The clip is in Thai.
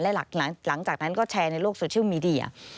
และหลังจากนั้นก็แชร์ในโลกโซเชียลมีเดีย